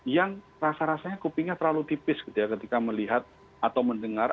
yang rasa rasanya kupingnya terlalu tipis gitu ya ketika melihat atau mendengar